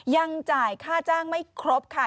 ยังจ่ายค่าจ้างไม่ครบค่ะ